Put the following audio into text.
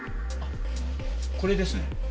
あっこれですね。